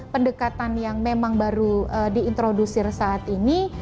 pendekatan yang memang baru diintrodusir saat ini